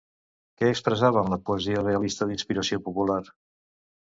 Què expressava en la poesia realista d'inspiració popular?